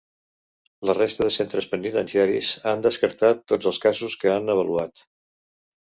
La resta de centres penitenciaris, han descartat tots els casos que han avaluat.